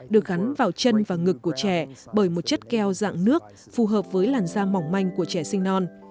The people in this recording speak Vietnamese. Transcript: được gắn vào chân và ngực của trẻ bởi một chất keo dạng nước phù hợp với làn da mỏng manh của trẻ sinh non